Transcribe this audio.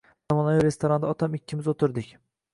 Zamonaviy restoranda otam ikkimiz o‘tirdik.